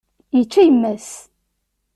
Yečča yemma-s.